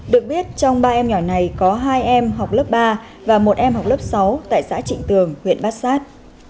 được biết trong ba em nhỏ này có hai em học lớp ba và một em học lớp sáu tại xã trịnh tường huyện bát sát